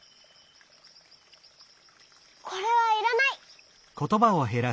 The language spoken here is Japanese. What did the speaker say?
これはいらない。